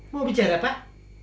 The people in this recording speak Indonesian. mau bicara pak